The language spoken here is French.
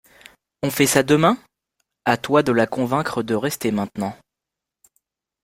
On fait ça demain? À toi de la convaincre de rester maintenant.